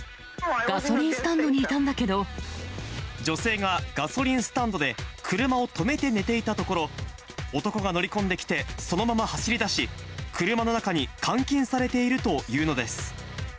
ガソリンスタンドにいたんだ女性がガソリンスタンドで車を止めて寝ていたところ、男が乗り込んできて、そのまま走りだし、車の中に監禁されているというのです。